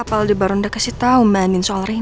apa aldebaran udah kasih tau bu andin soal reina